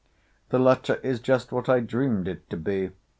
The letter is just what I dreamed it to be.